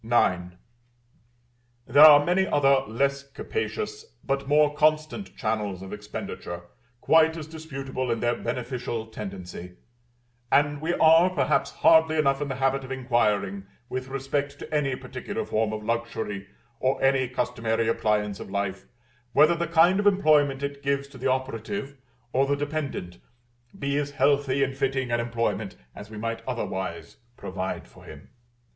IX. There are many other less capacious, but more constant, channels of expenditure, quite as disputable in their beneficial tendency; and we are, perhaps, hardly enough in the habit of inquiring, with respect to any particular form of luxury or any customary appliance of life, whether the kind of employment it gives to the operative or the dependant be as healthy and fitting an employment as we might otherwise provide for him.